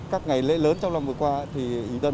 các ngày lễ lớn trong lòng vừa qua